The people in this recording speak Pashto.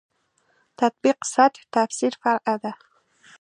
تطبیق سطح تفسیر فرع ده.